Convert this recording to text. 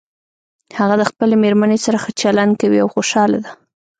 هغه د خپلې مېرمنې سره ښه چلند کوي او خوشحاله ده